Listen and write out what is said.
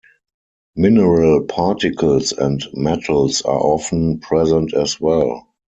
Mineral particles and metals are often present as well.